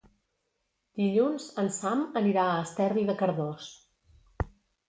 Dilluns en Sam anirà a Esterri de Cardós.